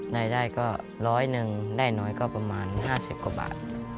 รายได้ก็ร้อยหนึ่งได้น้อยก็ประมาณ๕๐กว่าบาท